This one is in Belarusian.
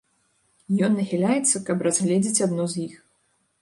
Ён нахіляецца, каб разгледзець адно з іх.